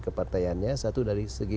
kepartaiannya satu dari segi